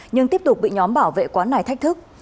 nhưng tiếp tục bị nhóm bảo vệ quán này thách thức